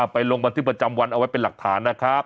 ลงบันทึกประจำวันเอาไว้เป็นหลักฐานนะครับ